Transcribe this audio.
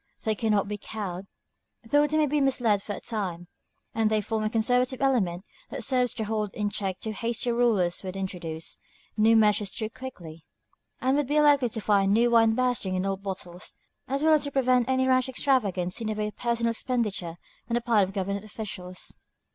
They cannot be cowed, though they may be misled for a time, and they form a conservative element that serves to hold in check too hasty rulers who would introduce new measures too quickly, and would be likely to find the new wine bursting the old bottles, as well as to prevent any rash extravagance in the way of personal expenditure on the part of government officials.